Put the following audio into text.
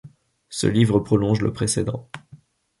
Ce livre prolonge le précédent.